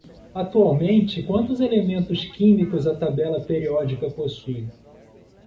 Atualmente, quantos elementos químicos a tabela periódica possui?